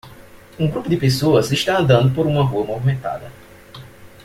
Um grupo de pessoas está andando por uma rua movimentada.